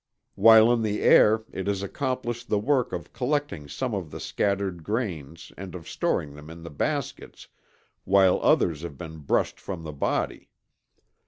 While in the air it has accomplished the work of collecting some of the scattered grains and of storing them in the baskets, while others have been brushed from the body.